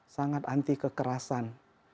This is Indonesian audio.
sangat anti kekerasan